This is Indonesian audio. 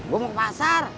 gue mau ke pasar